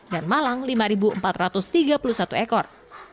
dan malang lima empat ratus tiga puluh satu ekor